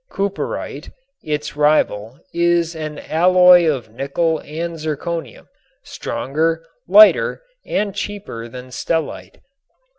Cooperite, its rival, is an alloy of nickel and zirconium, stronger, lighter and cheaper than stellite.